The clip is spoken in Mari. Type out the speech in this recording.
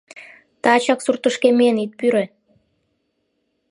Тачак суртышкем миен ит пӱрӧ.